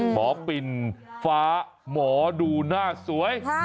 ปินฟ้าหมอดูหน้าสวย